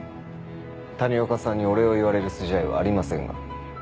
谷岡さんにお礼を言われる筋合いはありませんが。